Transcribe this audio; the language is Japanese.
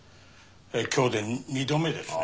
今日で二度目ですね。